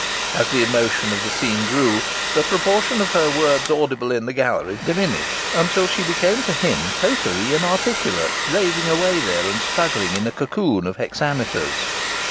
As the emotion of the scene grew, the proportion of her words audible in the gallery diminished. Until she became, for him, totally inarticulate, raving away there and struggling in a cocoon of hexameters.